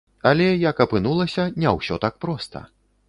Але, як апынулася, не ўсё так проста.